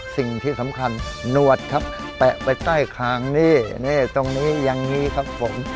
สิ่งที่สำคัญหนวดครับแปะไปใต้คางนี่นี่ตรงนี้อย่างนี้ครับผม